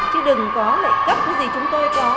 chứ đừng có lệ cấp gì chúng tôi có